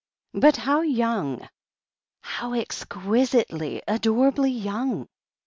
But how young ! how exquisitely, adorably young !"